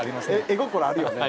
絵心あるよね。